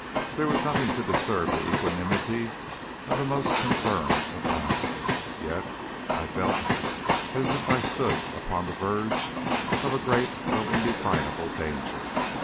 There was nothing to disturb the equanimity of the most confirmed of landsmen, yet I felt as if I stood upon the verge of a great though indefinable danger.